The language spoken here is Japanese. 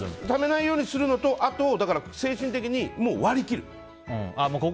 ためないようにするのとあと精神的に、もう割り切る。